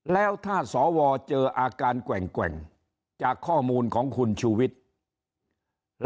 แล้วถ้าสวเจออาการแกว่งจากข้อมูลของคุณชูวิทย์